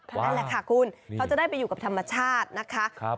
นั่นแหละค่ะคุณเขาจะได้ไปอยู่กับธรรมชาตินะคะ